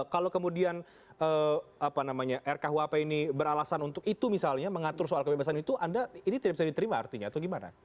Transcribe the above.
kalau kemudian rkuhp ini beralasan untuk itu misalnya mengatur soal kebebasan itu ini tidak bisa diterima artinya atau gimana